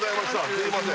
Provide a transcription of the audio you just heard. すいません